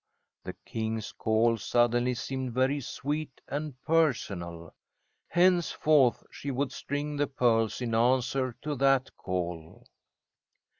The King's call suddenly seemed very sweet and personal. Henceforth she would string the pearls in answer to that call.